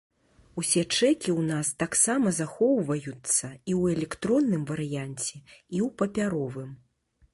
Усе чэкі ў нас таксама захоўваюцца і ў электронным варыянце, і ў папяровым.